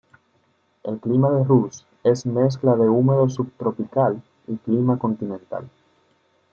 El clima de Ruse es mezcla de húmedo subtropical y clima continental.